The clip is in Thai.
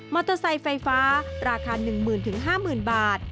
เตอร์ไซค์ไฟฟ้าราคา๑๐๐๐๕๐๐๐บาท